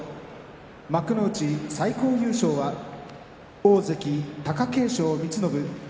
幕内最高優勝は大関貴景勝光信。